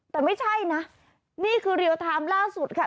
แต่ไม่ใช่นะนี่คือเรียลไทม์ล่าสุดค่ะ